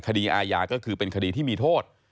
คดีอาญาก็คือเป็นคดีที่มีโทษ